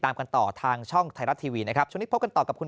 ตามกันต่อทางช่องไทยรัฐทีวีนะครับช่วงนี้พบกันต่อกับคุณ